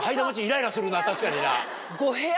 確かにな。